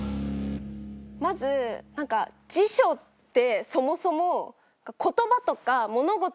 まず辞書ってそもそも。